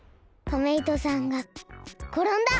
トメイトさんがころんだ。